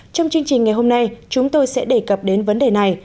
trong chương trình ngày hôm nay chúng tôi sẽ đề cập đến vấn đề này